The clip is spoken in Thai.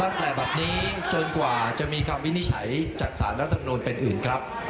ตั้งแต่แบบนี้จนกว่าจะมีกรรมวินิจฉัยจากสารรัฐกรณนต์เป็นอื่นครับ